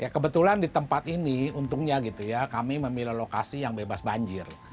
kebetulan di tempat ini untungnya gitu ya kami memilih lokasi yang bebas banjir